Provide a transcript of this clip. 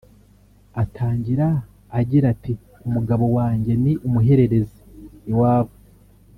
Atangira agira ati “Umugabo wanjye ni umuhererezi iwabo